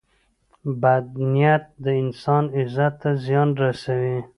• بد نیت د انسان عزت ته زیان رسوي.